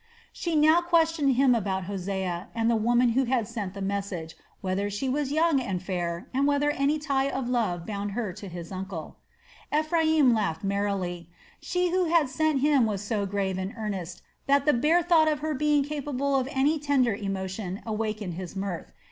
She now questioned him about Hosea and the woman who had sent the message, whether she was young and fair and whether any tie of love bound her to his uncle. Ephraim laughed merrily. She who had sent him was so grave and earnest that the bare thought of her being capable of any tender emotion wakened his mirth.